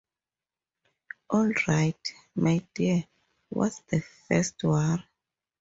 All right, my dear; what's the first worry?